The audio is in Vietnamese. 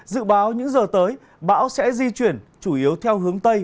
dự báo những giờ tới bão sẽ di chuyển chủ yếu theo hướng tây